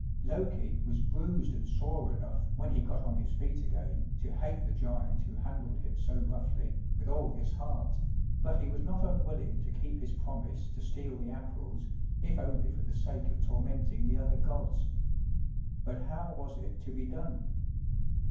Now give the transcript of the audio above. Loki was bruised and sore enough when he got on his feet again to hate the giant who handled him so roughly, with all his heart, but he was not unwilling to keep his promise to steal the Apples, if only for the sake of tormenting the other gods. But how was it to be done?